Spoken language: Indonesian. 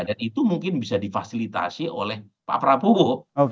itu mungkin bisa difasilitasi oleh pak prabowo